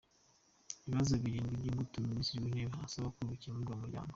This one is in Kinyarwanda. Ibibazo birindwi by’ingutu Minisitiri w’Intebe asaba ko bikemurwa mu muryango